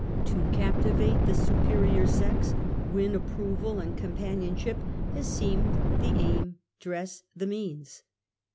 To cap Mtivate the superior sex, win approval and companion ship, has seemed the aim, dress the means.